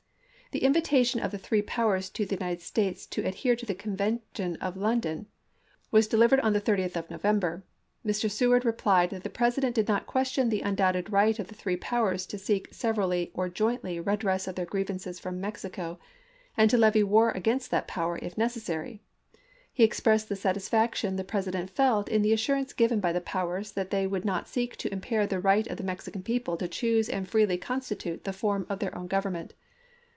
The invitation of the three powers to the United States to adhere to the convention of London was 40 ABRAHAM LINCOLN Chap. II. delivered on the 30th of November. Mr. Seward Dec. i, 1861. replied that the President did not question the un doubted right of the three powers to seek severally or jointly redress of their grievances from Mexico and to levy war against that power, if necessary ; he expressed the satisfaction the President felt in the assurance given by the powers that they would not seek to impair the right of the Mexican people to choose and freely to constitute the form of their own government.